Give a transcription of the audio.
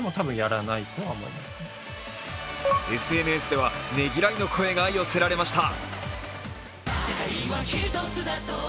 ＳＮＳではねぎらいの声が寄せられました。